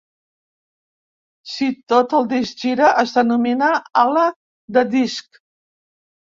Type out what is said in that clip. Si tot el disc gira, es denomina "ala de disc".